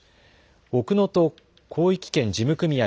奥能登広域圏事務組合